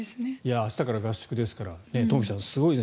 明日から合宿ですから東輝さん、すごいです